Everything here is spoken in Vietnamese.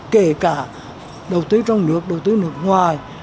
kể cả đầu tư trong nước đầu tư nước ngoài